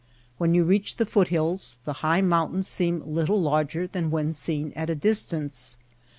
When you reach the foot hills the high mountains seem little larger than when seen at a distance.